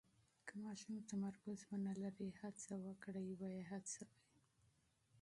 که ماشوم تمرکز ونلري، هڅه وکړئ یې هڅوئ.